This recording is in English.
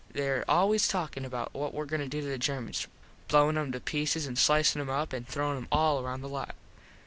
There always talking about what were goin to do to the Germans, blowin em to pieces and slicin em up an throwin em all around the lot.